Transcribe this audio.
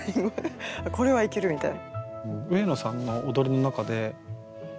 これはいける！みたいな。